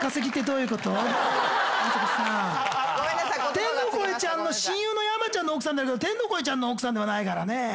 天の声ちゃんの親友の山ちゃんの奥さんだけど天の声ちゃんの奥さんではないからね。